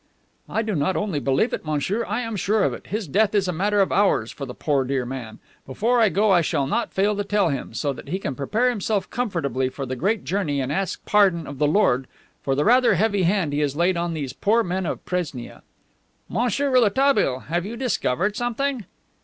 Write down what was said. "I do not only believe it, monsieur, I am sure of it. His death is a matter of hours for the poor dear man. Before I go I shall not fail to tell him, so that he can prepare himself comfortably for the great journey and ask pardon of the Lord for the rather heavy hand he has laid on these poor men of Presnia." "Monsieur Rouletabille, have you discovered something?"